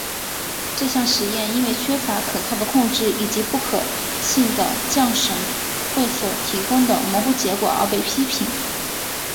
这项实验因为缺乏可靠的控制以及不可信的降神会所提供的模糊结果而被批评。